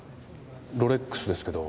ロレックスですけど。